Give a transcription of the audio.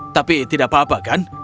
tapi tidak apa apa kan